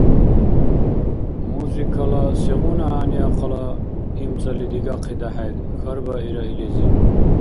— Музыкала сегъуна гӀягӀниахъала имцӀали дигахъида хӀед? – хьарбаира илизи.